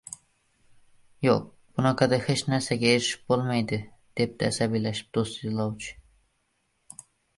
– Yoʻq, bunaqada hech narsaga erishib boʻlmaydi, – debdi asabiylashib doʻst izlovchi.